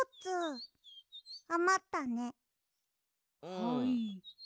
はい。